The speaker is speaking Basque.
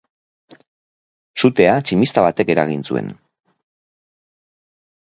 Sutea tximista batek eragin zuen.